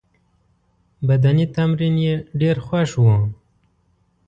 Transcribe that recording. بدني تمرین یې ډېر خوښ وو.